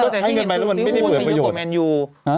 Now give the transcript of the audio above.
มาเงินไปแล้วมันไม่มีเหมือนประโยชน์